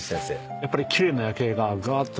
やっぱり。